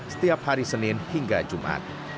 setiap hari senin hingga jumat